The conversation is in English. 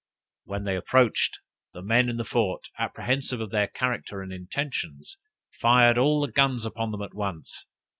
When they approached, the men in the fort, apprehensive of their character and intentions, fired all the guns upon them at once.